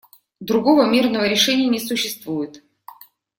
Другого мирного решения не существует.